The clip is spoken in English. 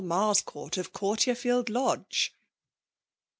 Mars* .court, of Comrtierfield Lodge."